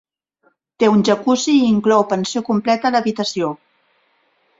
Té un jacuzzi i inclou pensió completa a l'habitació.